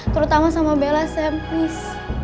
terutama sama bella sam please